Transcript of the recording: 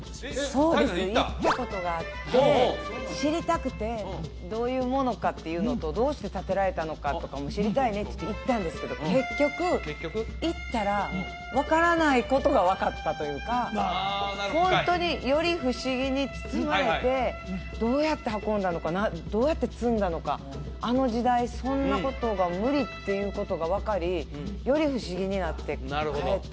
そうです行ったことがあって知りたくてどういうものかっていうのとどうして建てられたのかとかも知りたいねっていって行ったんですけど結局行ったら分からないことが分かったというかホントにより不思議に包まれてどうやって運んだのかなどうやって積んだのかあの時代そんなことが無理っていうことが分かりより不思議になって帰ったんですよね